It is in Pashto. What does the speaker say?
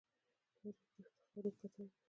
تاریخ د افتخارو کتار دی.